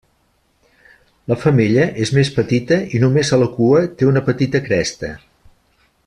La femella és més petita i només a la cua té una petita cresta.